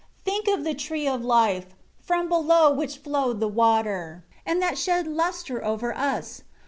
Think of the Tree of Life, from below which flowed the water, and that shed lustre over us!